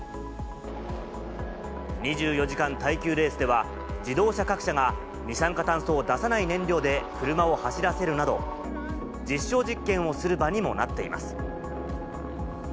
２４時間耐久レースでは、自動車各社が二酸化炭素を出さない燃料で車を走らせるなど、実証実験をする場にもなっています。